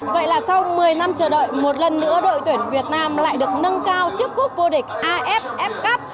vậy là sau một mươi năm chờ đợi một lần nữa đội tuyển việt nam lại được nâng cao trước quốc vô địch aff cup